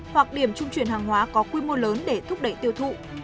hoặc điểm trung chuyển hàng hóa có quy mô lớn để thúc đẩy tiêu thụ